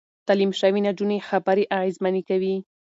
تعليم شوې نجونې خبرې اغېزمنې کوي.